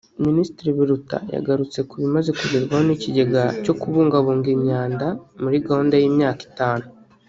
Minisitiri Biruta yagarutse ku bimaze kugerwaho n’Ikigega cyo kubungabunga imyanda muri gahunda y’imyaka itanu